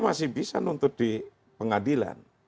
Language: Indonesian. masih bisa nuntut di pengadilan